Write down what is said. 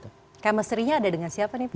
kemestrinya ada dengan siapa nih pak